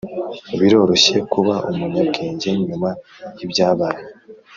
biroroshye kuba umunyabwenge nyuma yibyabaye